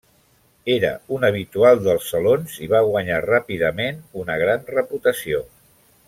Era un habitual dels Salons i va guanyar ràpidament una gran reputació.